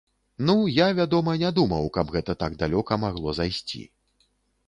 Ну, я, вядома, не думаў, каб гэта так далёка магло зайсці.